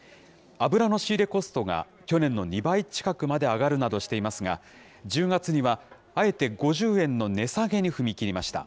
油の仕入れコストが去年の２倍近くまで上がるなどしていますが、１０月にはあえて５０円の値下げに踏み切りました。